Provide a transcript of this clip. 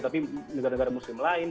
tapi negara negara muslim lain